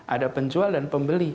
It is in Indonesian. ada penjual dan pembeli